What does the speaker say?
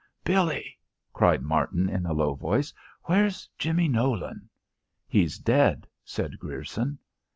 "Billie," called Martin in a low voice, "where's Jimmy Nolan?" "He's dead," said Grierson.